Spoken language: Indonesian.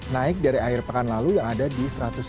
naik dari air pekan lalu yang ada di satu ratus tiga enam puluh enam